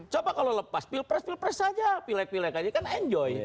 siapa kalau lepas pprs pprs saja pilag pilag aja kan enjoy